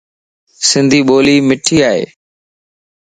سنڌي ٻولي مٺي ائي.